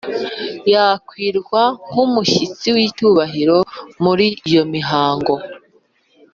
yakirwa nk'umushyitsi w'icyubahiro muri iyo mihango.